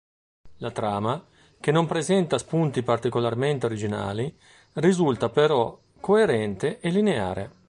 La trama, che non presenta spunti particolarmente originali, risulta però coerente e lineare.